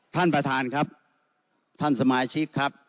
ท่านประธานครับท่านสมาชิกครับ